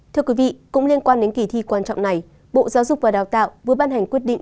thưa quý vị cũng liên quan đến kỳ thi quan trọng này bộ giáo dục và đào tạo vừa ban hành quyết định